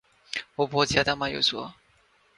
وہ بہت زیادہ مایوس ہوا